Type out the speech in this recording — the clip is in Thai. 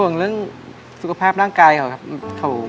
ของเรื่องสุขภาพร่างกายของเขาครับครับ